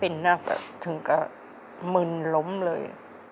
เป็นนักแบบถึงกับมึนล้มเลย